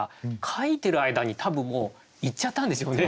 描いてる間に多分もう行っちゃったんでしょうね。